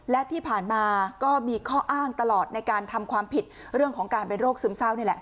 และที่ผ่านมาก็มีข้ออ้างตลอดในการทำความผิดเรื่องของการเป็นโรคซึมเศร้านี่แหละ